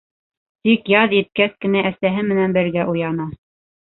Тик яҙ еткәс кенә, әсәһе менән бергә уяна...